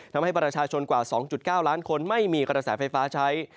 ทำให้ประชาชนกว่า๒๙ล้านคนไม่มีกระแสไฟฟ้าใช้